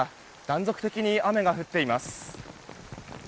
断続的に雨が降っています。